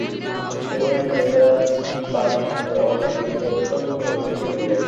শুনিয়া প্রতাপাদিত্য অত্যন্ত রুষ্ট হইলেন।